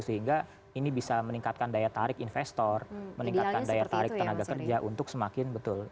sehingga ini bisa meningkatkan daya tarik investor meningkatkan daya tarik tenaga kerja untuk semakin betul